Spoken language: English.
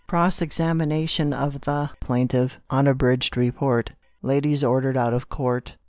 Cross examination of the Plaintiff. Unabridged Report. Ladies ordered out of court.